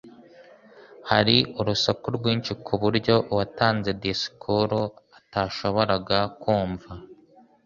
Hariho urusaku rwinshi kuburyo uwatanze disikuru atashoboraga kumva